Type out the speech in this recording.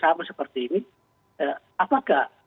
sama seperti ini apakah